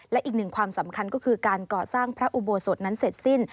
และอีกหนึ่งความสำคัญก็คือการก่อสร้างพระอุโบสถนั้นเสร็จสิ้น